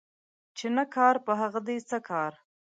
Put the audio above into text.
چي نه کار په هغه دي څه کار.